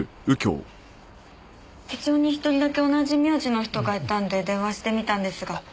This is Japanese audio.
手帳に１人だけ同じ名字の人がいたんで電話してみたんですが。